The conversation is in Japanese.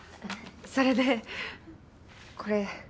それでこれ。